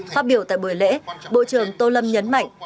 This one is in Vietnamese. phát biểu tại buổi lễ bộ trưởng tô lâm nhấn mạnh